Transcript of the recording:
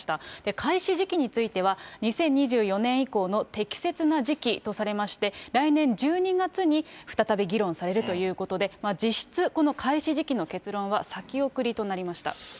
開始時期については、２０２４年以降の適切な時期とされまして、来年１２月に再び議論されるということで、実質、この開始時期の結論は先送りとなりました。